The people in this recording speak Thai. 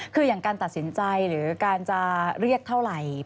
คืออย่างการตัดสินใจหรือการจะเรียกเท่าไหร่